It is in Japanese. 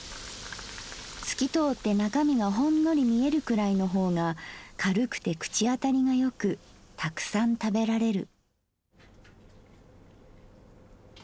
透きとおって中味がホンノリ見えるくらいの方が軽くて口あたりがよくたくさん食べられる」。